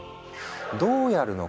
どうやるのか？